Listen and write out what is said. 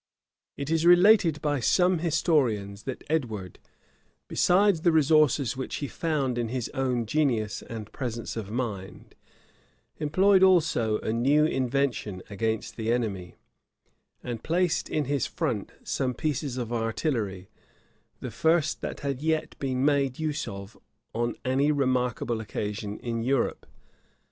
It is related by some historians,[*] that Edward, besides the resources which he found in his own genius and presence of mind, employed also a new invention against the enemy, and placed in his front some pieces of artillery, the first that had yet been made use of on any remarkable occasion in Europe.